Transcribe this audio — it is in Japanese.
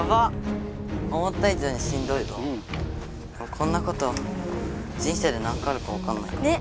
こんなこと人生で何回あるかわかんないから。ね